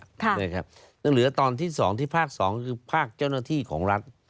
เหลือตอนที่๒ที่ภาค๒คือภาคเจ้าหน้าที่ของรัฐ